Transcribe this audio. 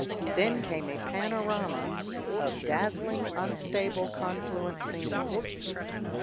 Then came a panorama of dazzling unstable confluent scenes....